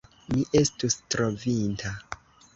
Mi estus trovinta!